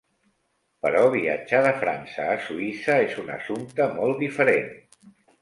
Però viatjar de França a Suïssa és un assumpte molt diferent.